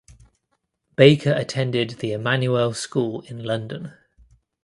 Baker attended the Emanuel School in London.